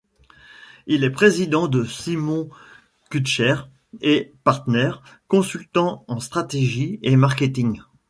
Il est président de Simon-Kucher & Partners, consultants en stratégie et marketing.